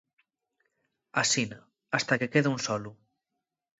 Asina, hasta que quede ún solu.